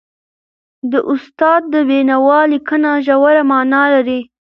د استاد د بينوا لیکنه ژوره معنا لري.